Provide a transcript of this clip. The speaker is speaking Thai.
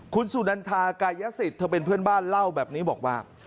คุณสุนันทากายสิทธิ์เธอเป็นเพื่อนบ้านเล่าแบบนี้บอกว่า